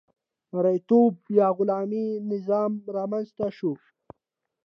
مرئیتوب یا غلامي نظام رامنځته شو.